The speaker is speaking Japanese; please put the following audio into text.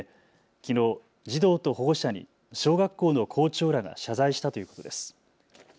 きのう児童と保護者に小学校の校長らが謝罪したということです。